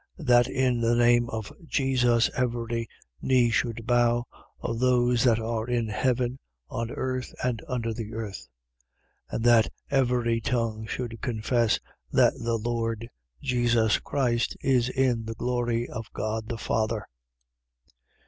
That in the name of Jesus every knee should bow, of those that are in heaven, on earth, and under the earth: 2:11. And that every tongue should confess that the Lord Jesus Christ is in the glory of God the Father.